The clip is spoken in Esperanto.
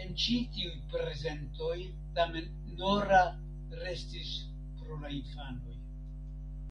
En ĉi tiuj prezentoj tamen "Nora" restis pro la infanoj.